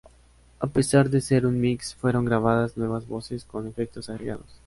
A pesar de ser un mix fueron grabadas nuevas voces con efectos agregados.